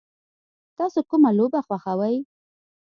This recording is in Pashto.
تاسو کومه لوبه خوښوئ؟